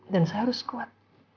dan saya harus kuat